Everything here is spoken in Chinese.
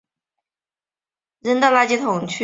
原产于墨西哥克雷塔罗郊区的半沙漠地区。